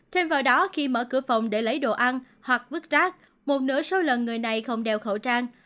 thêm vào đó khi mở cửa phòng để lấy đồ ăn hoặc vứt rác một nửa số lần người này không đeo khẩu trang